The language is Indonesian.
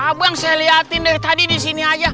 abang saya lihatin dari tadi di sini aja